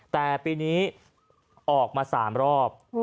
แต่ปีนี้ออกมา๓รอบ